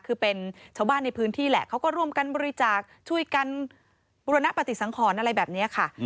คือเป็นชาวบ้านในพื้นที่แหละเขาก็ร่วมกันบริจาคช่วยกันบุรณปฏิสังขรอะไรแบบนี้ค่ะ